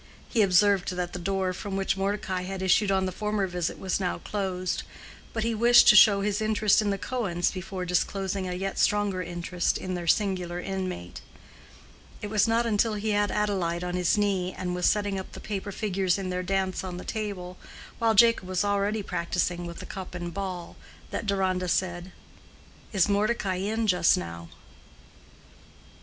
He observed that the door from which Mordecai had issued on the former visit was now closed, but he wished to show his interest in the Cohens before disclosing a yet stronger interest in their singular inmate. It was not until he had Adelaide on his knee, and was setting up the paper figures in their dance on the table, while Jacob was already practicing with the cup and ball, that Deronda said, "Is Mordecai in just now?"